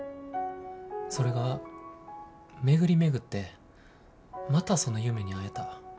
それが巡り巡ってまたその夢に会えた。